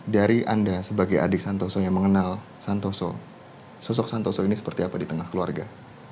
dari anda sebagai adik santoso yang mengenal santoso sosok santoso ini seperti apa di tengah keluarga